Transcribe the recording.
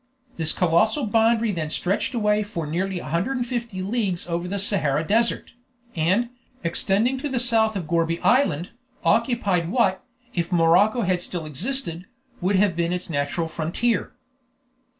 This colossal boundary then stretched away for nearly 150 leagues over the Sahara desert, and, extending to the south of Gourbi Island, occupied what, if Morocco had still existed, would have been its natural frontier.